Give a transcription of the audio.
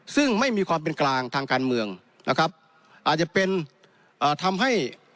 ซึ่งไม่มีความเป็นกลางทางการเมืองนะครับอาจจะเป็นเอ่อทำให้